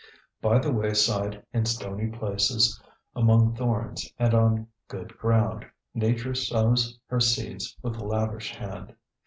By the wayside, in stony places, among thorns and on good ground, Nature sows her seeds with lavish hand.